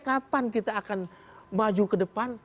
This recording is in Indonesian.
kapan kita akan maju ke depan